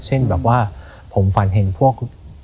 เช่นแบบว่าผมฝันเห็นพวก